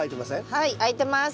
はい開いてます。